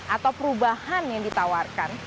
atau perubahan yang ditawarkan